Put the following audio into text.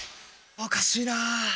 おかしいなぁ。